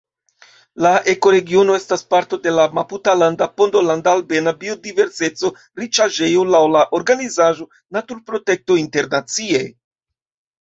La ekoregiono estas parto de la maputalanda-pondolanda-albena biodiverseco-riĉaĵejo laŭ la organizaĵo Naturprotekto Internacie.